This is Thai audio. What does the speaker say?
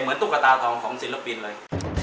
ตุ๊กตาทองของศิลปินเลย